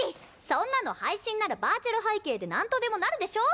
そんなの配信ならバーチャル背景でなんとでもなるでしょ？